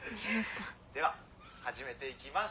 では始めて行きます。